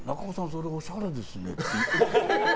それおしゃれですねって。